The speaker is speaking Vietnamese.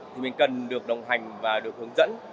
thì mình cần được đồng hành và được hướng dẫn